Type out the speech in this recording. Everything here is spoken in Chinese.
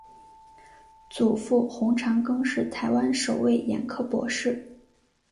祖父洪长庚是台湾首位眼科博士。